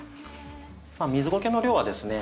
水ごけの量はですね